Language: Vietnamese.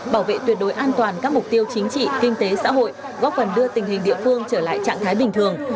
bảo vệ tuyệt đối an toàn các mục tiêu chính trị kinh tế xã hội góp phần đưa tình hình địa phương trở lại trạng thái bình thường